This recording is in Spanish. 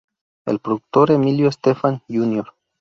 El productor Emilio Estefan Jr.